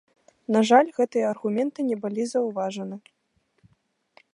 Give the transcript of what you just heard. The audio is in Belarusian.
На жаль, гэтыя аргументы не былі заўважаны.